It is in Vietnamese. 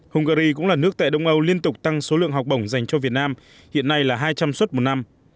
hungary cũng là nước tại đông âu liên tục tăng số lượng học bổng dành cho việt nam hiện nay là hai trăm linh suất một năm